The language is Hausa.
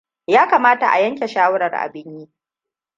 Ya kamata a yanke shawarar abin yi.